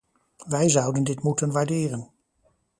Wij zouden dit moeten waarderen.